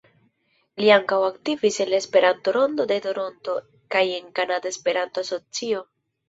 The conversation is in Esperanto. Li ankaŭ aktivis en la Esperanto-Rondo de Toronto kaj en Kanada Esperanto-Asocio.